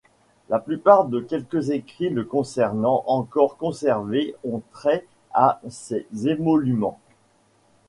La plupart des quelques écrits le concernant encore conservés ont trait à ses émoluments.